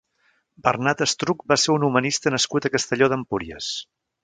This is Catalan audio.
Bernat Estruc va ser un humanista nascut a Castelló d'Empúries.